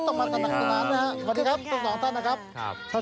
ต้องมาตรงนั้นตรงนั้นนะครับสวัสดีครับสองตอนนะครับครับ